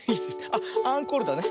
あっアンコールだね。